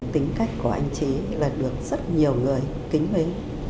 tính cách của anh trí là được rất nhiều người kính mến